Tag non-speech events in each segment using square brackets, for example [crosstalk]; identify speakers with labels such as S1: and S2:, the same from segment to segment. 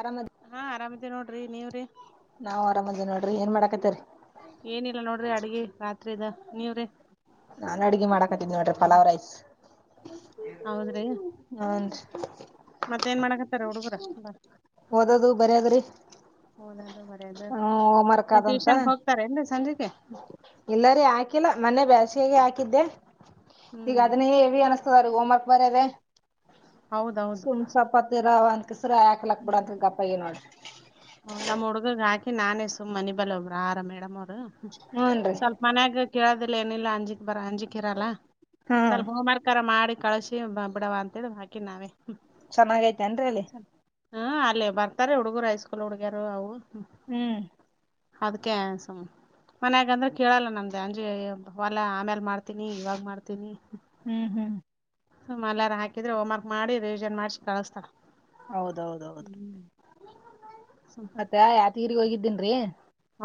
S1: ಆರಾಮದ
S2: ಹಾ ಆರಾಮದಿವ್ ನೋಡ್ರಿ ನೀವ್ರಿ
S1: ನಾವವು ಆರಾಮದೇ ನೋಡ್ರಿ ಏನ್ ಮಾಡ ಕದರ್
S2: ಏನಿಲ್ಲ ನೋಡ್ರಿ ಅಡ್ಗೆ ರಾತ್ರಿದ ನೀವ್ರೀ
S1: ನಾನ್ ಅಡ್ಗಿ ಮಾಡಾಕತ್ತಿನ್ ನೋಡ್ರಿ ಪಲಾವ್ ರೈಸ್
S2: ಹೌದ್ರಿ
S1: ಹುನ್ರಿ
S2: ಮತ್ತೇಏನ್ ಮಾಡಕತ್ತಾರ ಹುಡುಗರ ಬ
S1: ಓದದು ಬರಿದ್ರಿ
S2: ಹೌದ ಬರ ಅದು ಟ್ಯೂಷನ್ಗೆ ಹೋಗ್ತಾರ ನ್ ಸಂಜೆಗೆ
S1: ಎಲ್ಲಾರೆ ಆ ಹಾಕಿಲ್ಲ ಮನೆ ಬೇಸಿಯಾಗ ಹಾಕಿದ್ದೆ ಈಗ
S2: ಹ್ಮ್
S1: ಅದನ್ನೇ ಹೆವಿ ಅನ್ನಸ್ತ ಹೋಂವರ್ಕ್ ಬರದೇ
S2: ಹೌದೌದು
S1: ಸುಮಸಪತೆರಾವಂತ ಕಸರ ಯಾಕ್ಲಕ್ ಬಿಡಂತ
S2: ಹ್ಮ್
S1: ಗಪ್ಪ ಏ ನೋಡ್ರಿ
S2: ನಮ್ ಹುಡುಗಗ್ ಹಾಕಿ ನಾನೇ ಸುಮ್ಮ ನೆ ಬಲ್ಲಬ್್ರ ಆರ ಮೇಡಮ್ ಅವರು
S1: ಹೂನ್ರಿ
S2: ಸ್ವಲ್ಪ ಮನ್ಯಾಗ ಕೇಳಾದ್ರ ಪ್ಲನ ಆಂಜಿ ರ ಅಂಜಿಕಿರಲ್ಲ
S1: ಹ್ಮ್
S2: ಸ್ವಲ್ಪ ಹೋಮಾರ್ರ ಮಾಡಿ ಕಳಸಿ ಬಿಡವ ಅಂತೇಳ ಹಾಕಿ ನಾವೇ
S1: ಚೆನ್ನಾಗೈತೆ ಅನ್್ ಅಲ್ಲಿ
S2: ಹ್ಮ ಅಲ್ಲೇ ಬರ್ತಾರೆ ಹುಡ್ಗರು ಹೈಸ್ಕೂಲ್ ಹುಡ್ಗ್ಯಾರರು ಅವು
S1: ಹ್ಮ್
S2: ಅದ್ಕ ಮನ್ಯಾಗಂದ್ರೆ ಕೇಳಲ್ಲ ನಮ್ದ ಅಂಜಿ ಹೊಲ ಆಮ್ಯಲ್ ಮಾಡ್ತೀನಿ ಇವಾಗ ಮಾಡ್ತೀನಿ
S1: ಹ್ಮ್ ಹ್ಮ್
S2: ಸುಮ ಎಲ್ಲಾರ ಹಾಕಿದ್ರೆ ಹೋಮ್ ವರ್ಕ್ ಮಾಡಿ ರಿವಿಜನ್ ಮಾಡ್ಸಿ ಕಳಸ್ತಾ
S1: ಹೌದೌದ ಹೌದು ಮತ್ತೆ ಯಾ ತೀರ್ಗ್ ಹೋಗಿದ್ದಿನ್ ೀ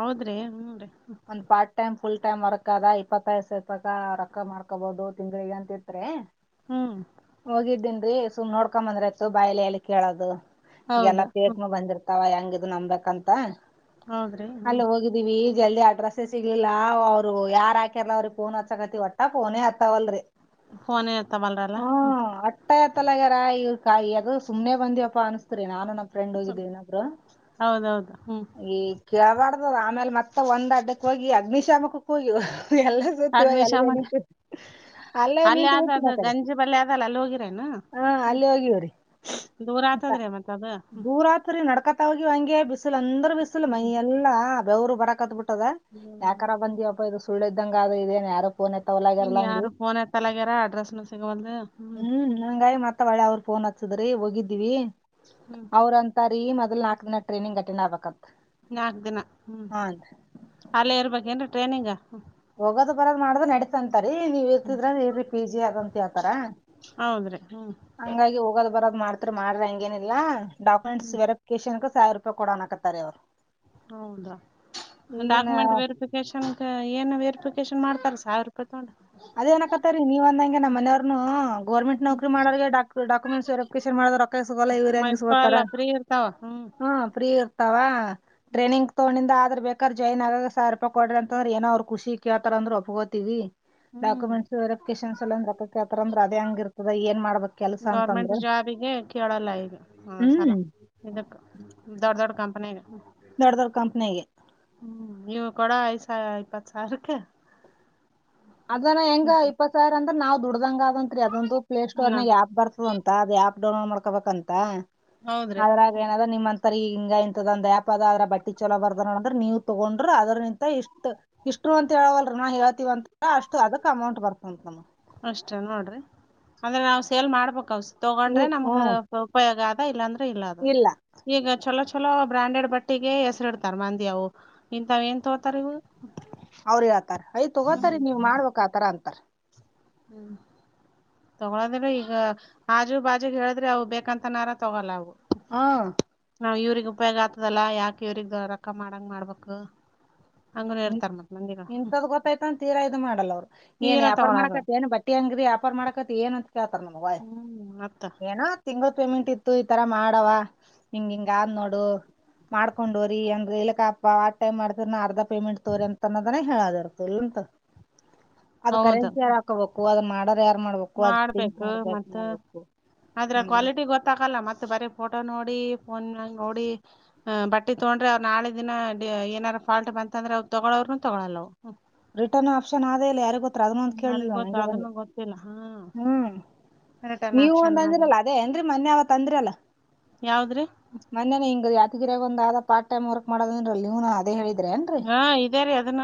S2: ಹೋದ್ರಿ ಹ್ಮ್ ರಿ
S1: ಒಂದ್ part time full time work ಅದ ಇಪ್ಪತ್ತೈ್ ಸಪಕ ರೊಕ್ಕ ಮಾಡ್ಕೋಬಹದು ತಿಂಗಳಗ ಅಂತಿತ್ರಿ
S2: ಹ್ಮ್
S1: ಹೋಗಿದ್ದೇನ್ ಸುಮ್ ನೋಡ್ಕೊ ಬಂದ್ರಯತತ್ತು ಬಾಯಿಲ ಎಲ್ಲಿ ಕೇಳೋದು
S2: ಹೌದು ಹ್ಮ್
S1: ಎಲ್ಲಾಫೇಕ್ ಬಂದಿರ್ತ ಹೆಂಗದು ನಂಬಬೇಕಂತ
S2: ಹೌದ್ರಿ ಹ್ಮ
S1: ಗ ೆಸಿಗ್ಲಿಲ್ಲ ಅವ್ರು ಯಾರಾಕಿರ್ ಅವ್ರಿ ಫೋನ್ ಹತ್ಕತಿ ಒಟ್ಟ ಫೋನೇ ಹತ್ತತವಲ್ರರಿ
S2: ಫೋನ್ತ ಬಲ್ರಲ್ಲ ಹ
S1: ಮಟ್ಟತ್ತಲಗಾರ ಈಗ ಕಾಯಿ ಅದು ಸುಮ್ಮ್ನೆ ಬಂದ್ಯವಪ್ಪ ಅನ್ಸ್ತ್ರಿ ನಾನು ಫ್ರೆಂಡ್
S2: ಸುಮ್
S1: ಹೋಗಿದ್ದೇನಬ್ರು
S2: ಹೌದೌದು ಹ್ಮ್
S1: ಈ ಕೇಬಾಡ್ದ ಆಮೇಲೆ ಮತ್ತೆ ಒಂದ ಅಡ್ ಕೊಯೋಗಿ ಅಗ್ನಿ ಶಾಮಕ್ಕೆ ಕೊೋಗಿ ಎಲ್ಲ ಸತ್ತ ಹ ಅಲ್ಲಿಗೆ
S2: ಅಗ್ನಿಶಾಮಕ
S1: ನಿಂತು ಅಲ್ಲೇ
S2: ಅಲ್ಲಿ
S1: ನಿಂತು
S2: ಆದ
S1: ಹಟ್ಟಿನ
S2: ಅದು
S1: ಕಡೆ
S2: ಗಂಜಿ ಬಲ್ಲಿ ಅದಲ್ಲ ಅಲ್ಲಿ ಹೋಗಿರೇನು
S1: ಹ
S2: ಹ್ಮ್
S1: ಅಲ್ಲೇ ಹೋಗಿವ್ರಿ
S2: ದೂರ ಆತದ್ರಿ ಮತ್ತ ಅದು
S1: ದೂರಾತ್ರಿ ನಡ್ಕ ಹಂಗೆ ಬಿಸಲ್ ಅಂದ್ರ ಬೀಸಲು
S2: ಹ್ಮ್
S1: ಮಯ ಎಲ್ಲಾ ಬೆವರು ಬರಕ ಹತ್ ಬಿಿಟ್ಟದ ಯಾಕರ ಬಂದಿವವಪ್ಪ ಇದು ಸುಳ್ಳದ ಇದಂಗ ಅದು ಇದೆನ್ ಯಾರ ಪೋನ್
S2: ಹ್ಮ್
S1: ಎತ್ತವಲ್ಲರ್ ಅಂದ
S2: ಯಾರು ಫೋನ್ ಎತ್ತಲಾಗ್ಯಾರ ಅಡ್ರೆಸ್ನು ಸಿಗವಲ್ದು
S1: ಹ್ಮ್ ನಂಗ ಮತ್ತ ಹೊಳ್ಳಿ ಅವರು ಫೋನ್ ಹ ಹದ್ರೆ ಹೋಗಿದ್ದೀವಿ
S2: ಹ್ಮ್
S1: ಅವ್ರಂತಾರೀ ಮ ನಾಲ್ಕು ದಿನ ಟ್ರೇನಿಂಗ್ ಅಟೆಂಡ್ ಆಗಬೇಕು ಅಂತ
S2: ನಾಕ್ ದಿನ ಹ್ಮ್ ಅಲ್ಲೇ ಇರ್ಬೇಕೇನ್್ರ ಟ್ರನಿಂಗ್
S1: ಹೋಗೋದು ಬರೋದ ಮಾಡ್ದ ನಡತಂತೆ ರಿ ನೀವ್ ಇರ್ತಿದ್ರ ಇರಿ ಪಿ ಜಿ ಅದಂತ ಹೇಳ್ತಾರ
S2: ಹೌದ್ರಿ ಹ್ಮ್
S1: ಹಂಗಾಗಿ ಹೋಗೋದ್ ಬರದ್ ಮಾಡ್ತ ಮಾರ ಏನಿಲ್ಲ ಡಕುಮೆಂಟ್ಸ್
S2: ಹ್ಮ್
S1: ವೆರಿಫಿಕೇಶನ್ ಸಾವಿರ ರೂಪಿ ಕೊಡೋ ಹಕತ್ತಾರೆ ಅವರು
S2: ಹೌದಾ
S1: ಈಗಿನ
S2: ಡಾಕ್ಯುಮೆಂಟ್ ವೆರಿಫಿಕೇಶನ್ ಏನು ಫಿಕೇಶನ್ ಮಾಡತಾರೆ ಸಾವಿ ರೂಪಾಯ
S1: ಅದೇ ನಕತ್ತ ರೀ ನೀವ ಅಂದಂಗೆ ನಮ್ಮನೆಯವ್ರುೂ ಗೋರ್ಮೆಂಟ್ ನೌಕರಿ ಮಾಡೋರಿಗೆ ಡಾ ಡಾಕುಮೆಂಟ್ಸ್ ವೆರಿಫಿಕೇಶನ್ ಮಾಡ ರೊಕ್ಕ ಸಿಗೋಲ್ಲ ಇವ್ರ ಹೆಂಗಗೆ ಇಸಕೋಟರ್
S2: ಮನ್ಸ್ಕೊಳಲ್ಲ ಫ್ರೀ ಇರ್ತಾವ ಹ್ಮ್
S1: ಹ ಫ್ರೀ ಇ ತವಾ ಟ್ರೇನಿಂಗ್ ತಗೊಂಡಿಂದ ಅದ್ರ ಬೇಕ್ರ ಜಾಯಿನ್ ಆಗ ಸಿ ರೂಪಾಯ ಕೊಡ್ರ ಅಂತಂದ್ರ ಏನೋ್ ಖಷಿ ಕೇಳ್ತಾರ ಅಂದ್ರೆ ಒಪ್ಗೋತೀವಿ
S2: ಹ್ಮ್
S1: ಡಾಕ್ಯುಮೆಂಟ್ಸ್ ವೆರಿಫಿಕೇಶನ್ಸ್ ಸೆಲೆಂಡ್ ಅಂದ್ರ ಅದೇ ಹಂಗ ಇರ್ತದ ಏ ಮಾಡ್ಬೇಕು
S2: ಗೌರ್ಮೆಂಟ್ ಜಾಬಿಗೆ ಕೇಳಲ್ಲ ಈಗ ಸಲ
S1: ಹ್ಮ್
S2: ಇದಕ್ ದೊಡ್ ದೊಡ್ಡ ಕಂಪ [inaudible]
S1: ದೊಡದರ್ ಕಂಪ್ನಿಗೆ
S2: ಕೊಡ ಐದು ಸಾವಿ ಇ ಪ್ಪತ್ತು ಸಾವಿಕ್ಕೆ
S1: ಅದನ ಹೆಂಗ ಇಪ್ಪತ್ ಸಾವಿರ ಅ ನಾವು ದುಡ್ದಂಗ ಅತ್ರಿ ಅದೊಂದು ಪ್ಲೇ ಸೋರ್ ನಾಗ ಆ್ಯಪ್ ಬರ್ತದ ಅಂತ ಅದ ಆ್ಯಪ್ ಡೌ ಮಾಡ್ಕೋಬೇಕಂತ
S2: ಹೌದ್ರಿ
S1: ಅದ್ರಾಗ ಏನಾರ ನಿಮ್ಮಂತ ರಿ ಈ ಹಿಂಗ ಇಂತದಂದ ದ್ಯಾಪ್ ಅದ ಅದ್ರ ಬಟ್ಟಿ ಚಲೋ ಬರ್ದ ಅಂದ್ರ ನೀವು ತಗೊಂಡ್ರರು ಅದ್ರನಂತ ಇಷ್ಟ ಇಷ್ಟು ಅಂತ ಹೇಳವಲ್ ನಾ ಹೇಳ್ತೀವಂತ ಅಷ್ಟು ಅದಕ್ ಅಮೌಂಟ್ ಬರ್ತಂಂತ ನಮ್ಮ
S2: ಅಷ್ಟ ನೋಡ್ರಿ ಅಂದ್ರೆ ನಾವವು ಸೇಲ್ ಮಾಡ್ಬೇಕಕ್ ಅವಸ ತಗೊಂಡ್ರೆ
S1: ನೀವ್
S2: ನಮ್ಗ
S1: ಹ್ಮ್
S2: ಉಪಯೋಗ ಆ ಇಲ್ಲ ಇಲ್ಲ ಅದು ಈಗ ಚಲೋ ಚಲ ಚಲೋ ಬ್ರಾಂಡೆಡ್ ಬಟ್ಟಿಗೆ ಹೆಸರಿ ಇಡ್ತಾರ ಮಂದಿ ಅವು ಇಂತಥವ ಏನ್ ತೋತಾರ ಇವು
S1: ಅವ್ರ ಹಳ್ತಾರ ಅಯ್ ತಗೋತಾರ
S2: ಹ್ಮ್
S1: ನೀವ್ ಮಾಡ್ಬೇಕಕ್ ಆತರ ಅಂತಾರ
S2: ಹ್ಮ್ ತಗೊಳದ್ರೆ ಈಗ ಹಾಜು ಬಾಜುಗೆ ಹೇಳಿದ್ರೆ ಅವು ಬೇಕಂತ ನಾರ ತಗೊಲ್ಲ ಅವು
S1: ಹಾ
S2: ನಾವ್ ಇವ್ರಿಗ್ ಉಪಯೋಗ ಆತದಲ್ಲ ಯಾಕೆ ಇವ್ರಗ್ ರೊಕ್ಕ ಮಾಡಂಗ ಮಾಡ್ಬೇಕು ಹಂಗನು ಇರ್ತಾರ ಮತ್ ಮಂದಿಗಳು
S1: ಇಂತದ ಗೊತ್ತಾಯ್ತ ಅಂತೀರ ಆಯ್ತ ಮಾಡಲ್ಲ ಅವ್ರು ಏನ್
S2: ತೀರಾ
S1: ಯ್ಯಾಪಾರ
S2: ತಗೊಳಾರು
S1: ಮಾಡಾಕತ್ತ ಏನ್ ಬಟ್ಟಿ ಹಂಗ್ರಿ ಯ್ಯಾಪಾರ್ ಮಾಡಾಕತಿ ಏನ್ ಅಂತ ಕೇಳ್ತಾರ ನಗ
S2: ಹ್ಮ್ ಮತ್ತ
S1: ಏನ ತಿಂಗ ಪೇಮೆಂಟ್ ಇತ್ತು ಈತರ ಮಾಡವ ಹಿಂಗ ಹಿಂಗ ಆದ್ ನೋಡು ಮಾಡ್ಕೊಂಡೋರಿ ಏನ್ರೀ ಇಲಕ್ಕಪ್ಪ ಆ ಟೈಮ್ ಮಾಡ್ತರಿ ನ ಅರ್ಧ ಪೇಮೆಂಟ ತ್ರ ಅನ್ನದಾನೇ ಹೇಳ ರ ಇಲ್ಲಂತ ಅದ
S2: ಹೌದು
S1: ಕರೆನ್ಸಿ ಯಾರ್ ಹಾಕೋಬೇಕು ಹ ಅದ್ ಮಾಡಾರ
S2: ಮಾಡ್ಬೇಕು ಮತ್ತ ಆದದ್ರ
S1: ನಮ್ಗ
S2: ಕ್ವಾಲಿಟಿ ಗೊತ್ತಕಲ್ಲ ಮತ್ತತ್ ಬರಿ ಫೋಟೋ ನೋಡಿ ನೋಫೋ ನೋಡಿ ಬಟ್ಟಿ ತಡ್ರೆ ಅವ್ ನಾಳೆ ದಿನ ಏನಾರ ಫಾಲ್ಟ್ ಬಂತ ಅಂದ್ರೆ ಅವವು ತಗೊಳೋ್ರನುೂ ತೊಗೊಳಲ್ಲ
S1: ರಿಟರ್ನ್ ಆಪ್ಷನ್ ಆದ ಇಲ್ಲ ಯಾರಿಗ ಗೊ ಪ್ರಥಮ ಅಂತ
S2: ಯಾರಿಗ್
S1: ಕೇಳಲ್ವ
S2: ಗೊತ್ತ
S1: ನಂಗೆ ಬಂದಿ
S2: ಅದನ್ನು ಗೊತ್ತಿಲ್ಲ ಹಾ
S1: ಹ್ಮ್
S2: ರಿಟರ್ನ್
S1: ನೀವು
S2: ಆಪ್ಷನ್
S1: ಒಂದ
S2: ಅದು
S1: ಅಂದ್ರಲ್ಲ ಅದೇ ಏನ್ರಿ ಮೊನ್ನೆ ಅವತ್ಂದ್ರ ಅಲ್ಲ
S2: ಯಾವದ್ರಿ
S1: ಮೊನ್ನೆನೆ ಹಿಂಗ ಒಂದ ಪಾರ್ಟ ಟೈಮ್ರ್ಕ್ ಮಾಡದ ನೀವು ಅದೇ ಹೇಳ
S2: ಹಾ ಇದೇ ರೀ ಅದನ್ನ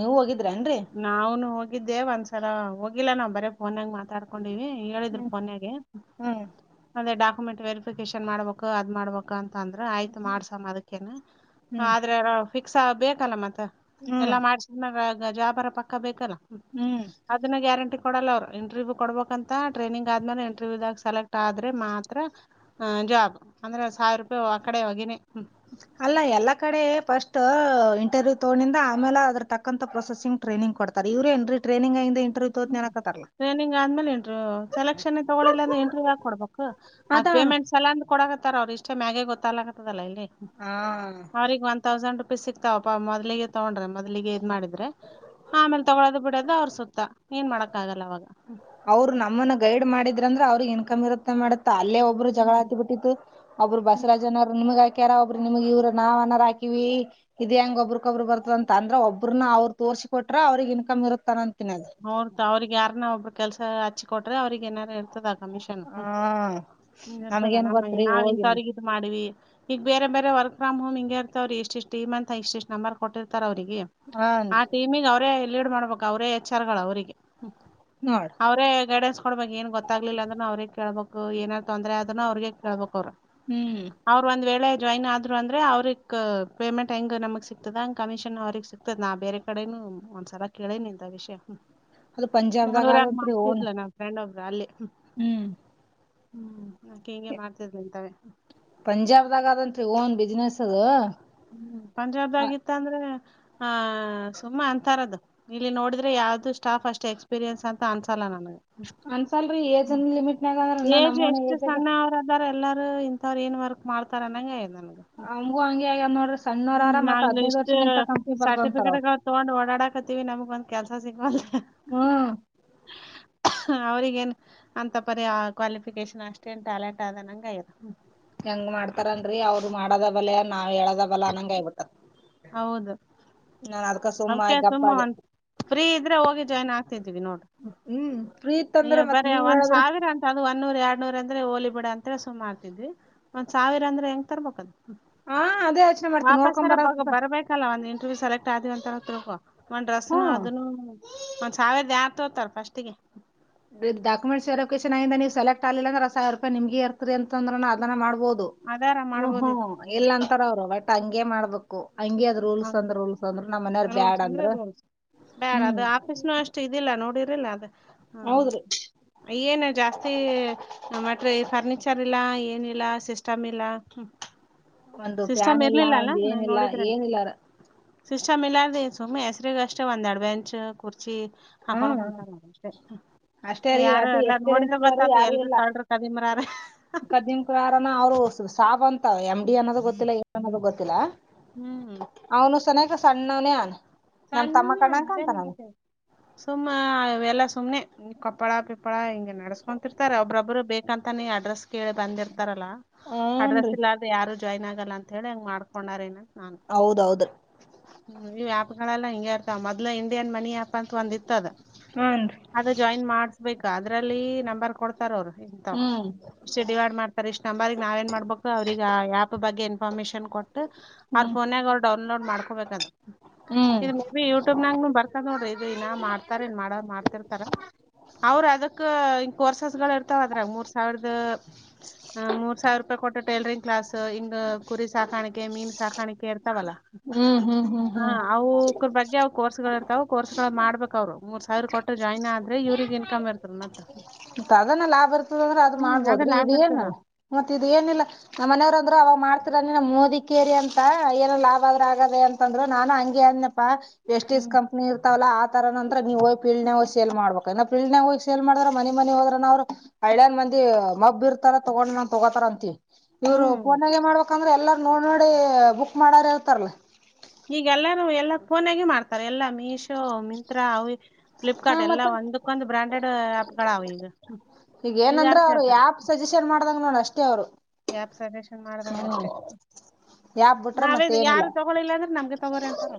S1: ನೀವೂ ಹೋಗಿದ್ರೇನ್ರಿ
S2: ನಾನು ಹೋಗಿದ್ದೆ ಒಂದ್ಸರ ಹೋಗ ಇಲ್ಲ ನಾ ಬರೇ ಫೋನಿನಾಗ್ ರ್ಕೊಂಡಿವವಿ ಹೇಳಿದ್ರು
S1: ಹ್ಮ್
S2: ಫೋನಿಗೆ
S1: ಹ್ಮ್
S2: ಅದೇ ಡಾಕ್ ಕ್ಯಮೆಂಟ್ ವೆರಿಫಿಕೇಶನ್ ಮಾಡಬೇಕ ಅದ ಮಾಡ್ಬೇಕ ಅಂತ ತಂದ್ರ ಆಯ್ತು ಮಾಡ್ಸಮ್ಮ ಅದ್ಕೇನ
S1: ಹ್ಮ್
S2: ಆದ್ರೆ ಫಿಕ್ಸ್ ಬೇಕಲ್ಲ ಮತ್ತ
S1: ಹ್ಮ್
S2: ಎಲ್ಲಾ ಮಾಡ್ಸಿದಾಗ ನಜಾ ಬರ ಪಕ್ಕ ಬೇಕಲ್ಲ ಹ್ಮ
S1: ಹ್ಮ್
S2: ಅದನ್ನ ಗ್ಯಾರಂಟಿ ಕೊಡಲ್ಲ ಅವರು ಇಂಟರ್ವ್ಯೂ ಕೊಡಬೇಕಂತ ಟ್ರೈನಿಂಗ್ ಆದ್ಮೇಲೆ ಇಂಟರ್ವ್ಯದಾಗ ಸೆಲೆಕ್ಟ್ ಆದ್ರೆ ಮಾತ್ರ ಜಾಬ್ ಅಂದ್ರೆ ಸಾವಿರ ರೂಪಾಯಿ ಆ ಕಡೆ ಹೋಗಿನನ
S1: ಅಲ್ಲಾ ಎಲ್ಲ ಕಡೆ ಫಸ್ಟ್ ಇಂಟರ್ವ್ಯೂ ತಗೊಂಡಿಂದ ಆಮೇಲೆ ಅದ್ರ ತಕ್ಕಂತ ಪ್ರೊಸೆಸಂಗ್ ಟ್ರೈನಿಂಗ್ ಕೊಡ್ತಾರೆ ಇವರಾ ನ್ರೀ ಟ್ರೈನಿಂಗ್ ಆ
S2: ಹ್ಮ್ ಟ್ರೈನಿಂಗ್ ಆದ್ಮೇಲೆ ಇಂಟ್ರ್ ಸೆಲೆಕ್ಷನ್ ತಗೊಳಿಲ್ಲಂದ್ರೆ ಇಂಟ್ರ್ ಹಾಕ್ ಕೊಡ್ಬೇಕು ಆ
S1: ಅದ
S2: ಪೇಮೆಂಟ್ ಸಲ ಅಂದ್ರ ಕೊಡಕತ್ತಾರ ಅವ್ರ ಇಷ್ಟೇ ಮ್ಯಾಗೆ ಗೊತ್ತಲಾಗತ್ತದಲ್ಲ ಇಲ್ಲಿ
S1: ಹಾ.
S2: ಅವ್ರಗ್ ಒನ್ ತೌಸಂಡ್ ಸಿಕ್ತಾವಪ್ಪಾ ಮೊದಲಿಗೆ ತಗೊಂಡ್ರೆ ಮೊದಲಿಗೆ ಇದ್ ಮಾಡಿದ್ರೆ ಆಮೇಲೆ ತಗಕೊಡದ ಬಿಡೋದು ಅವ್ರ ಸುತ್ತ ಏನ್ ಮಾಡಕ್ಕ ಆಗಲ್ಲ ಅವವಾಗ
S1: ಅವ್ರು ನಮ್ಮನ್ನು ಗೈಡ್ ಮಾಡಿದ ಇದಂದ್ರೆ ಅವ್ರಗ್ನ್ಕಮ ಇರುತ್ತೆ ಮಾಡೆ ಅಲ್ಲೇ ಒಬ್ರು ಜಗಳ
S2: ಹ್ಮ್
S1: ಹತ್ತತಿ ಬಿಟ್ಟಿತ್ತು ಒಬ್ಬರು ಬಸವರಾಜನವರು ನಮಗ ಹಾಕ್ಯಾರ ಒಬರು ನಿಮ್ಗ್ ಇವ್ರ ನಾವ ಅನಾರ ಹಾಕಿವವಿ ಇ ಹೆಂಗ ಒಬ್ರಗೊಬ್ಬರು ಬರ್ತದ ಅಂದ್ರೆ ಒಬ್ಬ್ರನ ಅವರು ತೋರ್ಸಿ ಕೊಟ್ಟ ರ ಅವ್ರಿಗೆ ಇನ್ಕ್ ಇರುತ್ತಾನಂತ
S2: ಹೌದತ ಅವ್ರಿಗೆ ಯಾರನ್ನ ಒಬ್ಬ ಕೆಲಸ ಹಚ್ಚಕ ಕೊಟ್ರ ಅವ್ರಿಗೆ ನಾರ ಇರ್ತದ ಆ ಕಮಿಷನ್ ಹ
S1: ಹ್ಮ್
S2: ಇರ್ತದೆ
S1: ನಮಗೇನ್
S2: ನಮ್ಮ
S1: ಗೊತ್ತ್ರಿ
S2: ನಾವ್
S1: ಹೋಗಿನ
S2: ಇಂಥವ್ರಗ ಇದ ಮಾಡಿವ ಈಗ ಬೇರೆ ಬೇರೆ ವರ್ಕ್ ಫ್ರ್ ಹೋ್ ಹಂಗ ಇರ್ತ ಅವರು ಇಷ್ಟ ಟಮ ಅಂತ ಇಷ್ಟ ನಂಬರ್ ಕೊಟ್ಟಿರ್ಾರ ಅವ್ರಿಗೆ ಆ
S1: ಹಾನ್ರಿ
S2: ಟೀಮಿಿಗೆ ಅವರೇ ಲೀಡ್ ಮಾಡ್ಬೇಕು ಅವ್ರೇ ವಿಚಾರಗಳು ಅವರಿಗೆ
S1: ನೋಡ್
S2: ಅವ್ರೇ ಗೈಡೆನ್ಸ್ ಕೊಡ್ಬೇಕ ಏನ್ ಗೊತ್ತಾಗಲಿಲ್ಲ ಅಂದ್ರೂ ಅವ್ರಿಗೆ ಕೇಳ್ಬೇಕು ಏನಾರ ತೊಂದರೆ ಆದ್ರೂ ಅವ್ರಿಗೆ ಕೇಳಬೇಕ ಅವರು
S1: ಹ್ಮ್
S2: ಅವರು ಒಂದ್ ವೇಳೆ ಐತ ಜಾಯಿನ್ ಆದರು ಅಂದರೆ ಅವ್ರಿಗೆ ಪೇಮೆಂಟ್ ಹೆಂಗೆ ನಮಗೆ ಸಿಗ್ತದ ಹಂಗೆ ಕಮಿಷನ್ ಅವ್ರಿಗೆ ಸಿಗ್ತದೆ ನಾು ಬೇರೆ ಕಡೊ ಒಂದ್ಸಲ ಕೇಳೇನಿಂಥ ವಿಷಯ ಹ್ಮ
S1: ಅದು ಪಜಾಬದಗ್ ಗಾದಂತ ನು
S2: ರಾಲೆ
S1: ಹ್ಮ್
S2: ಹ್ಮ್ ಆಕಿ ಹಿಂಗೆ ಮಾಡ್ತಿದ್ಲ ಇಂತವೆ
S1: ಪಂಜಾಬ್ದಾಗ್ ಅದಂತ್ರಿ ನ್ ಬ ಬಿನಸ್ ಅದು
S2: ಹ್ಮ್ ಪಂಜಾಬ್ ಆಗಿತ್ತ ಅಂದ್ರೆ ಹ ಸುಮ್ಮ ಅಂತಾರದು ಇಲ್ಲಿ ನೋಡಿದ್ರೆ ಯಾವ್ದು ಸ್ಟಾಫ್ ಅಷ್ಟ್ ಎಕ್ಸ್ಪೀರಿಯನ್ಸ್ ಅಂತ ಅನ್ಸಲ್ಲ ನನಗೆ
S1: ಅನ್ಸಲ್ರಿ ಏಜ್ನ್ ಲಿಮಿಟ್ನಾಗ ಅಂದ್ರ ನ ನಮ್ಮನೆ ಏಜಾಗ
S2: ಎಲ್ಲಾರೂ ಇಂಥವ್ರು ಏನ್ ವರ್ಕ್ ಮಾಡ್ತಾರ ಅನ್ನಂಗ ನ
S1: ಅವಂಗ ಅ ನೋ [unintelligible]
S2: ಹ್ಮ್ ನಾವ ಇಲ್ಲಿ ಇಷ್ಟ
S1: ಬರ್ತಾವಂತಾರ
S2: ಸರ್ಟಿಫಿಕೇಟ್
S1: ಅವ್ರ್
S2: ತಗೊಂಡ್ ಓಡಾಡಾಕತ್ತೀವಿ ನಮಗಂತ ಕೆಲಸ ಸಿಗವಲ್ಡು
S1: ಹ್ಮ್
S2: ಅವ್ರರಿಗೇನು ಅಂಂತ ಪರಿ ಆ ಕ್ವಾಲಿಫಿಕೇಶನ್ ಅಷ್ಟೇನು ಟ್ಯಾಲೆಂಟ್ ಆದ ನಂಗಗೆಯರು
S1: ಹೆಂಗ್ ಮಾಡ್ತಾರನ್ರರಿ ಅವ್ರು ಮಾಡದ ಬಲೆಯ ನಾವ್ ಹೇಳದ ಬಲ್ಲ ಅ ನಂಗಯ್ಬಟ್ಟ
S2: ಹೌದು ಅವಕ
S1: ಆಗಿ ಗಪ್ಪ
S2: ಸುಮ್ಮ
S1: ಆದೆ
S2: ಅಂತ ಫ್ರೀ ಇದ್ರೆ ಹೋಗಿ ಜಾಯ್ನ್ ಆಕ್ತ ವಿ ನೋಡ
S1: ಹ್ಮ್
S2: ಈ
S1: ಇತ್ತಂದ್ರ ಮತ್ತ್
S2: ಬರ
S1: ನೀವ್
S2: ಒಂದ್
S1: ಹೇಳದ್ರ
S2: ಸಾವಿರ ಅಂ ಅದು ಒಂದೂರ ಎರಡು ನ ನೂರ ಅಂದ್ರೆ ಹೋಲಿ ಬಿಡ ಅಂತ ಹೇಳ ಸು ಮಾಡ್ತಿದ್ವಿ ಒಂದ್ ಸಾವಿರ ಅಂದ್ರ ಹೆಂಗ್ ತರಬದು
S1: ಹಾ ಅದೇ ಯೋಚ್ನೆ ಮಾಡ್ತೀವಿ
S2: ಪಾಪ
S1: ನೋಡ್ಕೊಂಡ್
S2: ಸರ ಬ
S1: ಬರಾಕ
S2: ಬರ್ಬೇಕಲ್ಲ ಒಂದ್ ಇಂಟರ್ವ್ಯೂ ಸೆಲೆಕ್ಟ್ ಆದಿಂತ ಹತ್ರಕ ಒನ್ ಡ್ರೆಸ್ನು
S1: ಹ್ಮ್
S2: ಅದನ್ನು ಒಂದ್ ಸಾವಿರದ ಯ ತೋತಾರ ಫಸ್ಟ್ಿಗೆ
S1: ಇ ಡಾಕುಮೆಟ್ಸ್ವೆರಿಫಿಕೇಶನ್ ನೀವು ಸಲೆಕ್ಟ್ ಆಿಲ್ಲ ಅ್ರ ಸಾವಿ ರೂಪಾಯ ನಿಮ್ಗೆ ಇರ್ದೆ ಅಂದ್ರ ಅದ ಮಾಡ ಬೋದು
S2: ಅದಾರ
S1: ಹ್ಮ್ ಹ್ಮ್
S2: ಮಾಡ್ಬೋದಿತ್ತು
S1: ಎಲ್ಲ ಅಂತಾರ ಅವರು ತಂಗಗೆ ಮಾಡ್ಬೇಕು ಹಂಗಗೆ ಅದ ರೂಲ್ಸ್ ಅಂದ್ರ ರೂಲ್ಸ್ ಅಂದ್ರ ನಮ್ಮ ಮನೆಯವಾರ ಬ್ಯಾಡ
S2: ರೂಲ್ಸ್ ಅಂದ್ರೆ
S1: ಅಂದ್ರ
S2: ರೂಲ್ಸ್
S1: ಹ್ಮ್
S2: ಲ್ಲಾದೆ
S1: ಹೌದ್ರಿ
S2: ಹ್ಮ ಏನು ಜಾಸ್ತಿ ಮಟೆ ಫರ್ನಿಚರ್ ಇಲ್ಲ ಏನಿಲ್ಲ ಸಿಸ್ಟಮ್ ಇಲ್ಲ
S1: ಒಂದು
S2: ಸಿಸ್ಟಮ್
S1: ಪ್ಯಾನ್ ಇಲ್ಲ
S2: ಇರ್ಲಿಲ್ಲ
S1: ಒಂದ ಏನ ಇಲ್ಲ ಏನಿಲ್ಲಾರ
S2: ಸಿಸಷ್ಟಟರ್ ಮಿಲೆಾರ ದು ಮ ಹೆಸರಿ ಗಷ್ಟ ವಧಾಡಬ್ಯಾಚ್ ಕುರ್ತ ಚ್ಚಿ ಹಾಕೊಂಡ್
S1: ಹ್ಮ್
S2: ಕುಂತಾರಷ್ಟೆ
S1: ಅಷ್ಟೇ ರೀ
S2: ಯಾರು
S1: ಅದ್
S2: ಎಲ್ಲಾ ನೋಡಿದ್ರ ಬತ್ತಾತ ಎಲ್ರ ಕಳ್ರ ಕದಿಮರಾರ
S1: ಕದಿಮ ಯಾರ ಅವರು ಸಾವಂತ ಗತ್ತ ಎಮ ಡಿ ಅನ್ನೋದು ಗೊತ್ತಿಲ್ಲ ಏ ಅನ್ನೋದು ಗೊತ್ತಿಲ್ಲ
S2: ಹ್ಮ್
S1: ಅವನು ಸನ ಕ ಸಣ್ಣವನನ್
S2: ಸಣ್ಣುಲ್ಲ ಅದೇ ನತ ಸುಮ್ಮ ಎಲ್ಲ ಸುಮನೆ ಕಪ್ಪಳ ಪಿಪ್ಪಳ ಹಿಂಗೆ ನಡೆಸ್ಕೊಂತಿರ್ತಾರೆ ಒಬ್ಬ್ರೊಬ್ಬರು ಬೇಕಂತ ನೀ ಅಡ್ರೆಸ್ ಕೇಳಿ ಬಂದಿರ್ತಾರಲ್ಲಾ ಅಡ್ರೆಸ್
S1: ಹೂನ್ರಿ
S2: ಇಲ್ಲಾದ್ರೆ ಯಾರ ಜಾಯ್ನ್ ಆಗಲ್ಲ ಅಂತ ಹೇಳಿ ಹೆಂಗ ಮಾಡ್ಕೊಂಡಾರ ನ
S1: ಹೌದೌದು
S2: ಹ್ಮ ನೀವ್ ಆಪ್ಗಳೆಲ್ಲ ಹಿಂಗಗೆ ಇರ್ತಾವ ಮೊದ್ ಇಂಡಿಯನ್ ಮನಿ ಆ್ಯಪ್ ಅಂತ ಒಂದಿತ್ತು
S1: ಹ್ಞೂನ್ರಿ
S2: ಅದು ಜಾಯಿನ್ ಮಾಡ್ಸ್ಬೇಕು ಅದ್ರಲ್ಲಿ ನಂಬರ್ ಕೊಡ್ತಾರ ಅವರು ಇಂಥ್
S1: ಹ್ಮ್
S2: ಇಷ್ಟ ಡಿವೈಡ್ ಮಾಡ್ತಾರೆ ಇಷ್ಟ್ ನಂಬರ್ಗ ನಾವ ನ್ ಮಾಡ್ಬೇಕು ಅವ್ರಿಗೆ ಆ ಆ್ಯಪ್ ಬಗೆ ಎ ಫರ್ಮಿಷನ್ ಕೊಟ್ಟ ಅವ್ರ
S1: ಹ್ಮ್
S2: ಫೋನ್ಗ ಅವ್ ಡೌನ್ಲೋಡ್ ಮಾಡ್ ಅ
S1: ಹ್ಮ್
S2: ಇದು ಮೇ ಬಿ ಯೂಟ್ಯೂಬ್ ನಾಗ ಬರ್ತ ನೋಡ್ರಿ ಇದು ಇನ್ನ ಮಾಡ್ತಾರ ಇ ಮಾಡ ಮಾಡ್ತಿರ್ತಾರ ಅವ್ರ ಅದಕ್ ಹಂಗ ಕೋರ್ಸಸ್ ಗಳು ಇರ್ತಾವ ಅದ್ರ ಮೂರ್ ಸಾವಿರದ ಮೂರ್ ಸಾವಿರ ರೂಪಾಯಿ ಕೊಟ್ಟ ಟೇಲರಿಂಗ್ ಕ್ಲಾಸ್ ಹಿಂಗ್ ಕುರಿ ಸಾಕಾಣಿಕೆ ಮೀನ್ ಸಾಕಾಣಿಕೆ ಇರ್ತಾವಲ್ಲಾ
S1: ಹ್ಮ್ ಹ್ಮ್ ಹ್ಮ್ ಹ್ಮ್.
S2: ಹ
S1: ಹ್ಮ್
S2: ಅವವುಕ್ರ ಬಗ್ಗೆ ಅವವು ಕೋರ್ಸ್ಗಳು ಇರ್ತಾವ ಕೋರ್ಸ್ ಗಳು ಮಾಡ್ಬೇಕ ಅವ್ರು ಮೂರ್ ಸಾವಿರ ಕೊಟ್ಟು ಜಾಯಿನ್ ಆದ್ರೆ ಇವ್ರಿಗೆ ಇನ್ಕಮ್ ಇರ್ತ ಮತ್ತ
S1: ಮತ್ತ ಅದನ್ನ ಲಾಭ ಇರ್ತದ ಅಂದ್ರೆ ಅದ್
S2: ಹ್ಮ್ ಅದ
S1: ಮಾಡ್ಬೋದ್ರಿ
S2: ಲಾಭ
S1: ಇದ
S2: ಇರ್ತದ
S1: ಏನಲ್ಲ ಮತ್ತತ್ ಇದ್ ಏನಿಲ್ಲಾ ನಮ್ಮ ಮನೆಯವ್ರ ಅಂದ್ರರು ಮಾಡ್ತರ ನಮ್ಮ ಮೋದಿ ಕೇರಿ ಅಂತ ಏನ ಲಾಭ ಆದ್ರರು ಆಗದ ಅಂತಂದ್ರರು ನಾನು ಹಂಗ [unintelligible] [unintelligible] ವೆಸ್ಟ್ಂಡಸ್
S2: ಹ್ಮ್
S1: ಕಂಪನಿ ಇರ್ತಾವಲ್ಲ ಆ ತರ ನಂತ್ರ ನೀವು ಹೋಗಿ ಫೀಲ್ಡ್ ಸೇಲ್ ಮಾಡಬೇಕ ಪೀಡ್ ಹೋಗಿ ಸಲ್ ಮಾಡ್ರ ಮನ ಮನಿ ಹೋದ್ರ ಅವ್ರು ಹಳ್ಳೇ ಮಂದಿ ಮಬ್ಬ ಇರ್ತಾರ ತಗೊಂಡ ನಾನ್ ತಗೋತಾರ ಅಂತ [inaudible] ಇವರು
S2: ಹ್ಮ್
S1: ಪೋನಾಗೆ ಮಾಡ ಯಾಕಂದ್ರೆ ಎಲ್ಲಾರ ನೋಡ್ ನೋಡಿ ಬುಕ್ ಮಾಡಾರ ಇರ್ತಾರಲ
S2: ಈಗೆಲ್ಲಾನ ಎಲ್ಲಾ ಫೋನ್ಗ ಮಾಡ್ತಾರೆ ಎಲ್ಲಾ ಮೀಶೋ ಮಿಂತ್ರಾ ಅವ
S1: ಹಾ
S2: ಫ್ಲಿಪ್ಕಾರ್ಟ್
S1: ಮತ್ತ
S2: ಎಲ್ಲಾ ಒಂದಕ್ಕೊಂದು ಬ್ರಾಂಡೆಡ್ ಆ್ಯಪ್ ಗಳಾವೆ ಈಗ
S1: ಈಗ
S2: ಇದ
S1: ಏನಂದ್ರ
S2: ಯಾರ್
S1: ಅವ್ರು
S2: ಕೇಳ್ತಾರ
S1: ಯಾಪ್ ಸಜೆಷನ್ ಮಾಡ ಮಾಡದಂಗ ನೋ ಅಷ್ಟೇ ಅವರು
S2: [inaudible]
S1: ಹ್ಮ್
S2: ಅಷ್ಟೇ
S1: ಯಾಕ್ ಬಿಟ್ರ
S2: ನಾವೇ
S1: ಮತ್ತೆ ಏನಿಲ್ಲ
S2: ಯಾರು ತಗೊಳಿಲ್ಲ ಅಂದ್ರೆ ನಮ್ಗೆ ತಗೋರಿ ಅಂತಾರ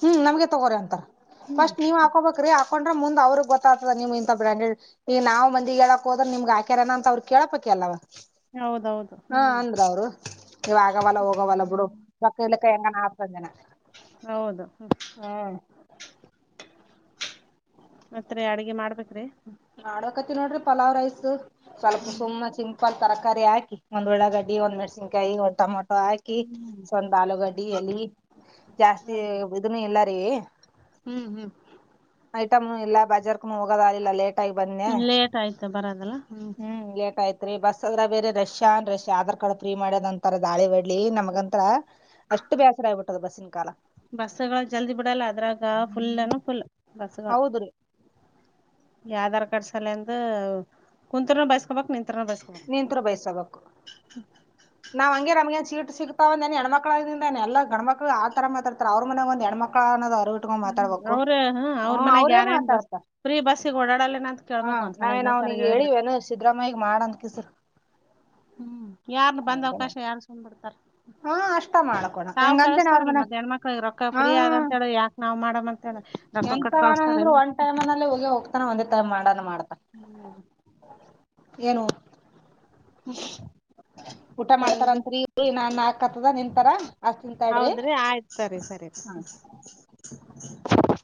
S1: ಹ್ಮ್ ನಮ್ಗೆ ತಗೋರಿ ಅಂತಾರ
S2: ಹ್ಮ್
S1: ಫಸ್ಟ್ ನೀವ್ ಹಾಕೋಬೇಕ್ರಿ ಹಾಕೊಂಡ್ರೆ ಮುಂದ ಅವ್ರರುಗ್ ಗೊತ್ತಾತದ ನಿಮ್ ಇಂತ ಬ್ರ್ಯಾಂಡೆಡ್ ಈ ನಾವು ಮಂದಿ ಹೇಳಕಕ್ ಹೋದ್ರ ನಿಮ್ಗೆಾಕ್ಯರನ ಅಂತ ಅವ್ರು ಕೇಳೋಬೇಕಕ್ ಅಲ್ವ
S2: ಹೌದೌದು ಹ್ಮ್
S1: ಅವ್ರು ಇವ ಆಗವಲ್ಲ ಹೋಗವಲ್ಲ ಬಿಡು ಪಕ್ಕ ಇಕ್ಕ ಹೆಂಗಾನ ಆಗ್ತ ಜನ
S2: ಹೌದು ಹ್ಮ್
S1: ಹಾ
S2: ಮತ್ತ ಅಡ್ಗೆ ಮಾಡ್ಬೇಕ್ರಿ
S1: ನಾಡೋಕ ನೋಡ್ರಿ ಪಲಾವ್ ರೈಸ್ ಸ್ವಲ್ಪ
S2: ಹ್ಮ್
S1: ಸುಮ್ಮ ಚಿಂ ಫಲ್ ತರಕಾರಿ ಹಾಕಿ ಒಂದ್ಳ್ಗಡ್ಡಿ ಒಂದ್ಮೇಣಸನ್ಯಿ ಒಂದ ಟಮಟ ಹಾಕಿ
S2: ಹ್ಮ್
S1: ಸ್ವಂತ ಆಲೂಗಡ್ಡಿಯಲ್ಲಿ ಜಾಸ್ತಿ
S2: ಹೌದು
S1: ಇದನ್ನು ಎಲ್ಲ ರ
S2: ಹ್ಮ್ ಹ್ಮ್
S1: ಐಟಮ್ ಎಲ್ಲ ಬಜಾರ್ರ್ಕು ಹೋಗದ ಅಲ್ಲ ಲೇಟ್ ಆಗಿ ಬಂದ್ನ್ಯ
S2: ಹ್ಮ ಲೇಟ್ ಆಯ್ತ ಬರದಲ್ಲ ಹ್ಮ್
S1: ತ್ ಬಸ್ ಅದ್ರ ಬೇರೆ ರಷ್ಯಾ ರಷ್ಯಾ ಆಧಾರ್ ಕಾರ್ಡ್ ್ ಮಾಡದ ಅಂತರ ದಾಳಿ ಒಡ್ಲಿ ನಮಗಂತ್ರ ಅಷ್ಟು ಬೇಸರ ಆಗಿಬಿಟ್ಟದ ಬಸ್ಸಿನ ಕಾಲ
S2: ಬಸ್ಸಗಳ ಜಲ್ದಿ ಬಿಡಲ್ಲ ಅದ್ರಾಗ ಫುಲ್ನು ಫುಲ್ ಬಸ್ಸಗಳು
S1: ಹೌದ್ರಿ
S2: ಈ ಆಧಾರ್ ಕಾರ್ಡ್ ಸಲೆ ಅಂದ ಕುೂಂತರ್ ಬೈಸ್ಕೊಬಕ್ ನಿಂತ ಎನ ದಸ
S1: ನಿಂತ್ರ ಬೈಸಬೇಕು ನಾವ್ ಹಂಗೆ ನಮಗೆನ್ ಚೀಟ್ ಸಿಕ್ತಾವಂದಏ ಹೆಣ್ಮಕ್ಳಾಗಿಂದಾನ ಎಲ್ಲ ಗಣ್ಮಕ್ಳಗ್ ಆತರ ಮಾತಾತಾರೆ ಅವ್ರ ಮನಾಗ ಒಂದ ಹೆಣ್ಮಕ್ಳ ಅನ್ನೋ ಟ್ಕೊಂಡ ಮಾತಾಡ್ಬೇಕು
S2: ಅವ್ರ
S1: ಹ
S2: ಅವ್ರ ಮನ್ಯಾಗ
S1: ಅವ್ರೇ
S2: ಯಾರೇನ್ ಬಸ್
S1: ಮಾತಾಡ್ತ
S2: ಫ್ರೀ ಬಸ್ಸಿಗೆ ಓಡಾಡಲ್ಲೇನ ಅಂತ
S1: ಹ
S2: ಕೇಳ್ಬಕ್ ಒಂದ್ಸಲ
S1: ನಾವೇ
S2: ಇನ್ನೊಂದ್ಸಲ
S1: ನಾವಗ
S2: ಹೇಳಿದ್ರ
S1: ಹೇಳಿವೇನು ಸಿದ್ದರಾಮಯ್ಯಗ ಮಾಡಂದ ಕಸರು
S2: ಹ್ಮ್ ಯಾರ್ ಬಂದ್ ಅವಕಾಶ ಯಾರ್ ಸುಂದ್ ಬಿಡ್ತಾರೆ
S1: ಹಾ ಅಷ್ಟ ಮಾಡ್ಕೋಣ ಹೆಂಗಂತನ ಅವ್ರ ಮನ
S2: ಮತ್ ಹೆಣ್ಮಕ್ಳಿಗೆ ರೊಕ್ಕ ಫ್ರೀ ಆದ
S1: ಹ್ಮ
S2: ಅಂತ ಹೇಳಿ ಯಾಕ್ ನಾವ್ ಮಾಡಮ್ ಅಂತ ಹೇಳಿ ರೊಕ್ಕ ಕೊಟ್
S1: ಎಂದ್ರ
S2: ಕಳಸ್ತಾರೇನು
S1: ಒಂದ್ ಟೈಮ್ನ ಹೋಗಿ ಹೋಗ್ತಾನ ಒಂದೇ ತ್ ಮಾಡಾನ ಮಾಡ್ತ ಏನು ಊಟ
S2: ಸರಿ
S1: ಮಾಡ್ತಾರ
S2: ರೀ
S1: ಅತ್ರಿ ನಾನ್ ನಾಲ್ಕಕ್ತ್ತದ ನಿಂತಾರ ಅಷ್ಟ ನಿಂತಾಡ್ರಿ
S2: ಹೌದ್ರಿ ಆಯ್ತ್
S1: ಹ
S2: ಹ್ಮ್ಮ್.